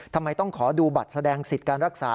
ทำไมต้องขอดูบัตรแสดงสิทธิ์การรักษา